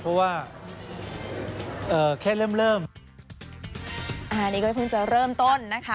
เพราะว่าเอ่อแค่เริ่มเริ่มอันนี้ก็เพิ่งจะเริ่มต้นนะคะ